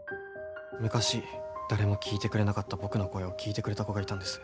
昔誰も聞いてくれなかった僕の声を聞いてくれた子がいたんです。